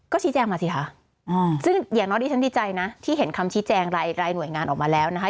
ก็ชี้แจงมาสิคะซึ่งอย่างน้อยที่ฉันดีใจนะที่เห็นคำชี้แจงรายหน่วยงานออกมาแล้วนะคะ